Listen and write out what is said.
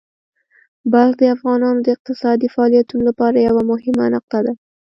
بلخ د افغانانو د اقتصادي فعالیتونو لپاره یوه مهمه نقطه ده.